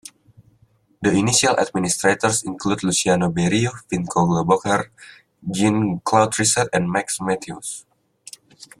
The initial administrators included Luciano Berio, Vinko Globokar, Jean-Claude Risset, and Max Mathews.